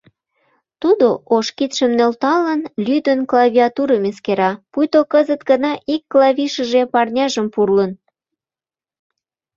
Тудо, ош кидшым нӧлталын, лӱдын, клавиатурым эскера, пуйто кызыт гына ик клавишыже парняжым пурлын.